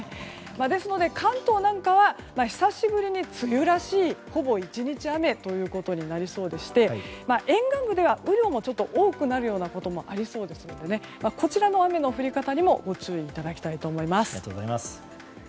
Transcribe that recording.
ですので、関東なんかは久しぶりに梅雨らしくほぼ１日雨ということになりそうでして沿岸部では、雨量もちょっと多くなるようなこともありそうですのでこちらの雨の降り方にもご注意いただきたいと思います。